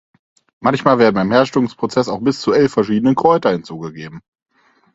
Manchmal werden beim Herstellungsprozess auch bis zu elf verschiedene Kräuter hinzugegeben.